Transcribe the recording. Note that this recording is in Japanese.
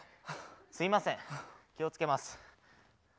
すいません気をつけます。